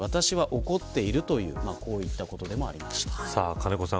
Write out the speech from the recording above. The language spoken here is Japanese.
金子さん